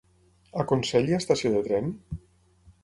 A Consell hi ha estació de tren?